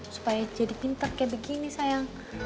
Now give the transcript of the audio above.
supaya jadi pinter kayak begini sayang